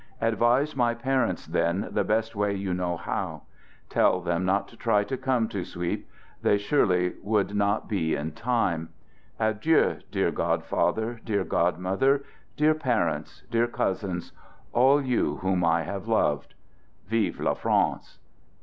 Advise my parents, then, the best way you know how; tell them not to try to come to Suippes, they surely would not be in time. Digitized by THE GOOD SOLDIER 99 175 Adieu, dear god father, dear god mother, dear parents, dear cousins, all you whom I loved. Vive la France!